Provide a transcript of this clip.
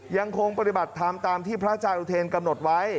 ยังคงปฏิบัติธรรมตามที่พระอาจารย์อุเทรนกำหนดไว้